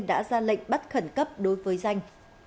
đã ra lệnh bắt khẩn cấp đối với danh